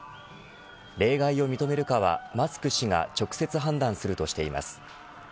例外を認めるかはマスク氏が直接判断するとしています。